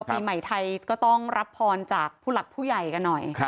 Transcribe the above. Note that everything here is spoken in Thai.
ปีใหม่ไทยก็ต้องรับพรจากผู้หลักผู้ใหญ่กันหน่อย